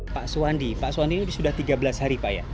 pak suwandi pak suwandi ini sudah tiga belas hari pak ya